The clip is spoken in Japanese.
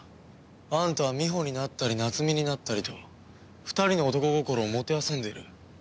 あんたはみほになったり夏美になったりと２人の男心をもてあそんでいる。